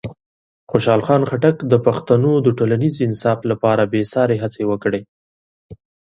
خوشحال خان خټک د پښتنو د ټولنیز انصاف لپاره بېساري هڅې وکړې.